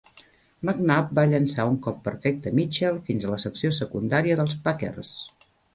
McNabb va llançar un cop perfecte a Mitchell fins a la secció secundària dels Packers.